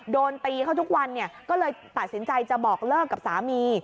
โดนตีเขาทุกวันก็เลยตัดสินใจจะบอกเลิกกับสามี